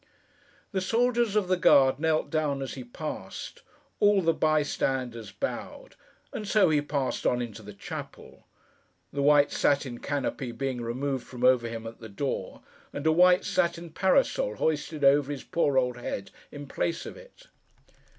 The soldiers of the guard knelt down as he passed; all the bystanders bowed; and so he passed on into the chapel: the white satin canopy being removed from over him at the door, and a white satin parasol hoisted over his poor old head, in place of it.